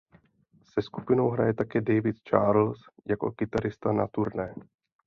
Se skupinou hraje také David Charles jako kytarista na turné.